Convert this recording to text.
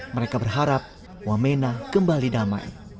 mereka berharap wamena kembali damai